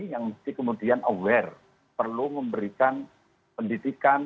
yang mesti kemudian aware perlu memberikan pendidikan